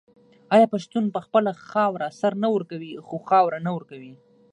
آیا پښتون په خپله خاوره سر نه ورکوي خو خاوره نه ورکوي؟